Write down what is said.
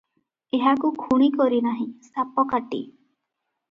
ଏହାକୁ ଖୁଣୀ କରିନାହିଁ, ସାପକାଟି ।"